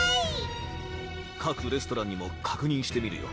各レストランにも確認してみるよ